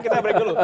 kita break dulu